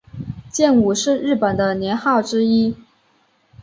建武是日本的年号之一。